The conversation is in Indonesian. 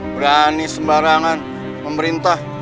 berani sembarangan pemerintah